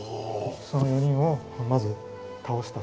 その４人をまず倒したと。